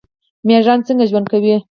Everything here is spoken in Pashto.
میږیان څنګه ژوند کوي؟